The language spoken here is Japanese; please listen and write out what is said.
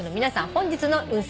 本日の運勢